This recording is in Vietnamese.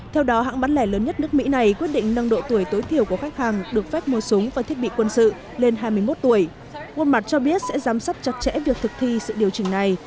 theo đó hãng bán lẻ lớn nhất nước mỹ này quyết định nâng độ tuổi tối thiểu của khách hàng được phép mua súng và thiết bị quân sự lên hai mươi một tuổi quân mặt cho biết sẽ giám sát chặt chẽ việc thực thi sự điều chỉnh này